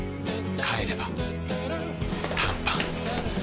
帰れば短パン